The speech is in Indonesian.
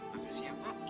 makasih ya pok